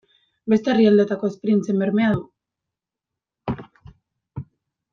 Beste herrialdeetako esperientzien bermea du.